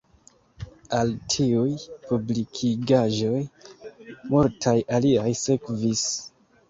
Al tiuj publikigaĵoj multaj aliaj sekvis.